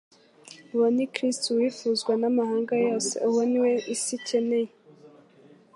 Uwo ni Kristo, "Uwifuzwa n'amahanga yose", uwo ni we isi ikeneye.